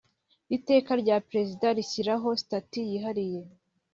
Iteka rya Perezida rishyiraho sitati yihariye